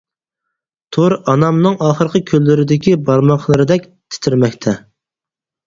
تور ئانامنىڭ ئاخىرقى كۈنلىرىدىكى بارماقلىرىدەك تىترىمەكتە.